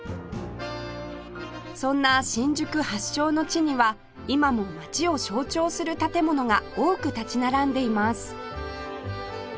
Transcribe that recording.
そんな新宿発祥の地には今も街を象徴する建物が多く立ち並んでいます